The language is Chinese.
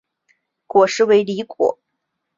果实为离果。